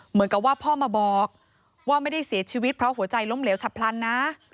เหมือนกับว่าพ่อมาบอกว่าไม่ได้เสียชีวิตเพราะหัวใจล้มเหลวฉับพลันนะ